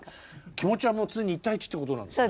気持ちはもう常に１対１ってことなんですか？